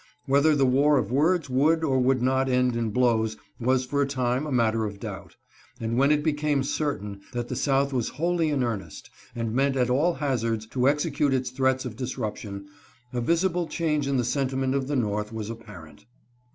Whether the war of words would or would not end in blows was for a time a matter of doubt; and when it became certain that the South was wholly in earnest, and meant at all hazards to execute its threats of disrup tion, a visible change in the sentiment of the North was apparent.